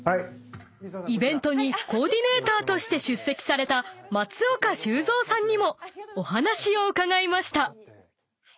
［イベントにコーディネーターとして出席された松岡修造さんにもお話を伺いました］